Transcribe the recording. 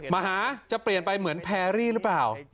มหาจะเปลี่ยนไปเหมือนแพรรี่หรือเปล่า